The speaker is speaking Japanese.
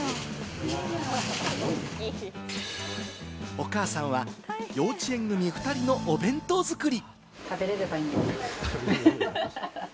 お母さんは幼稚園組２人のお弁当作り。